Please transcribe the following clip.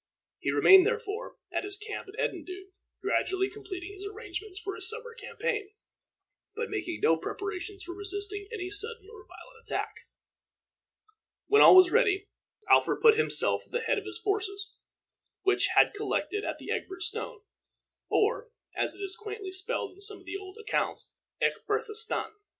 He remained, therefore, at his camp at Edendune, gradually completing his arrangements for his summer campaign, but making no preparations for resisting any sudden or violent attack. When all was ready, Alfred put himself at the head of the forces which had collected at the Egbert Stone, or, as it is quaintly spelled in some of the old accounts, Ecgbyrth stan.